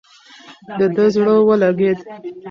د ده زړه ولګېد.